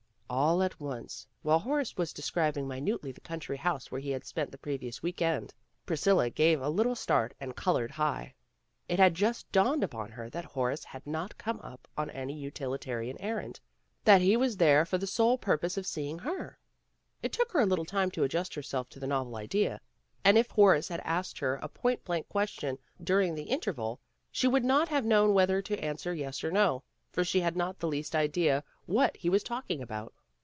All at once, while Horace was de scribing minutely the country house where he had spent the previous week end, Priscilla gave a little start and colored high. It had just dawned upon her that Horace had not come up on any utilitarian errand, that he was there for the sole purpose of seeing her. It took her a little time to adjust herself to the novel idea, and if Horace had asked her a point blank question during the interval, she would not have known whether to answer yes or no, for she had not the least idea what he was talking about.